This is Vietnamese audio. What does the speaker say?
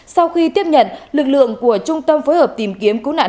sau khi tiếp nhận lực lượng của trung tâm phối hợp tìm kiếm cứu nạn